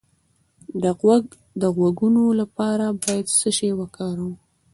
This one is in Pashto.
د غوږ د غږونو لپاره باید څه شی وکاروم؟